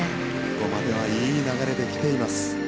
ここまではいい流れで来ています。